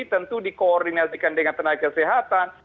tentu di koordinatikan dengan tenaga kesehatan